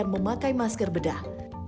bisa diperbolehkan dengan masker bedah